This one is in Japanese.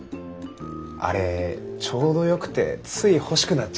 あれちょうどよくてつい欲しくなっちゃうんですよね。